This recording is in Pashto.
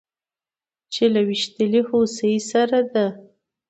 چې له ويشتلې هوسۍ سره د